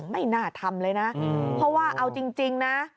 ไม่น่าทำเลยนะเพราะว่าเอาจริงนะ